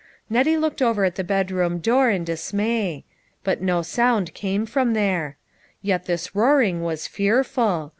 Nettie looked over at the bedroom door in dismay ; but no sound came from there. Yet this roaring was fearful.